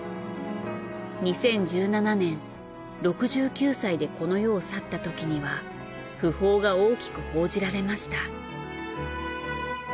２０１７年６９歳でこの世を去ったときには訃報が大きく報じられました。